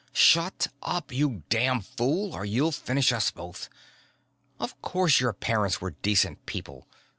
"Shut up, you damn fool, or you'll finish us both! Of course your parents were decent people.